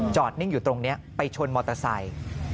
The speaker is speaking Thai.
นิ่งอยู่ตรงนี้ไปชนมอเตอร์ไซค์